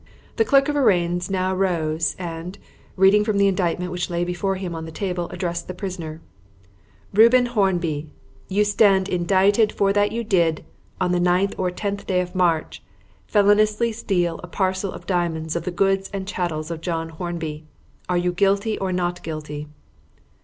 The Clerk of Arraigns now rose and, reading from the indictment which lay before him on the table, addressed the prisoner "Reuben Hornby, you stand indicted for that you did, on the ninth or tenth day of March, feloniously steal a parcel of diamonds of the goods and chattels of John Hornby. Are you guilty or not guilty?"